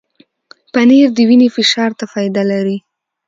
پنېر د وینې فشار ته فایده لري.